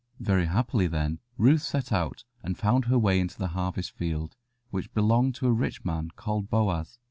Very happily, then, Ruth set out, and found her way into the harvest field, which belonged to a rich man called Boaz.